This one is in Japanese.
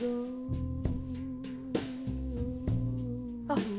あっ！